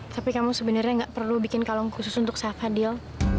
tapi kamu sebenarnya nggak perlu bikin kalung khusus untuk saya fadil